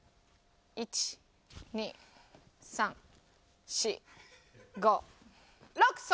１２３４５６。